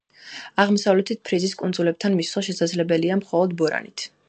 აღმოსავლეთი ფრიზის კუნძულებთან მისვლა შესაძლებელია მხოლოდ ბორანით.